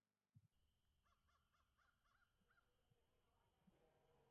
This was the first game show by Bob Stewart Productions.